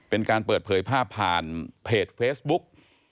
เป็นการเปิดเผยภาพผ่านเพจเฟซบุ๊ก